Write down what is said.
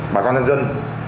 bà con dân dân